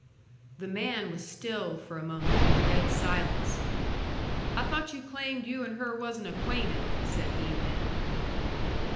The man was still for a moment in the dead silence. "I thought you claimed you and her wasn't acquainted," said he then.